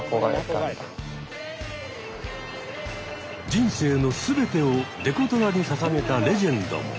人生の全てをデコトラに捧げたレジェンドも。